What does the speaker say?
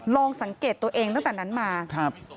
ลองสังเกตตัวเองตั้งแต่นั้นมาครับ